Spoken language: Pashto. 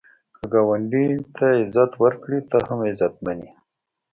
که ګاونډي ته عزت ورکړې، ته هم عزتمن یې